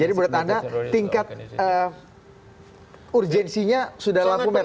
jadi berat anda tingkat urgensinya sudah lampu merah